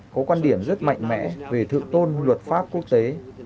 có quan điểm rất mạnh mẽ về thượng tôn luật pháp quốc tế